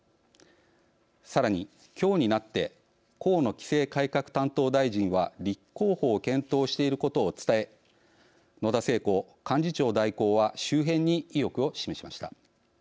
さらに、きょうになって河野規制改革担当大臣は立候補を検討していることを伝え野田聖子幹事長代行は周辺に意欲を示しました。